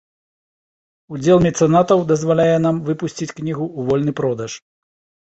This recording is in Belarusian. Удзел мецэнатаў дазваляе нам выпусціць кнігу ў вольны продаж.